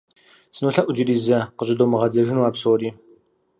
СынолъэӀу иджыри зэ къыщӀыдомыгъэдзэжыну а псори.